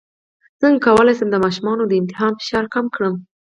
څنګه کولی شم د ماشومانو د امتحان فشار کم کړم